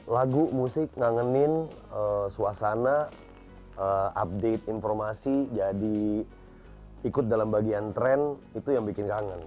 lagu musik ngangenin suasana update informasi jadi ikut dalam bagian tren itu yang bikin kangen